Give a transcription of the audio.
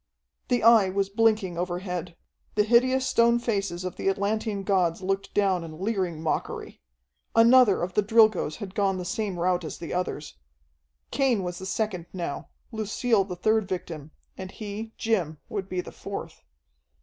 The Eye was blinking overhead. The hideous stone faces of the Atlantean gods looked down in leering mockery. Another of the Drilgoes had gone the same route as the others. Cain was the second now, Lucille the third victim, and he, Jim, would be the fourth.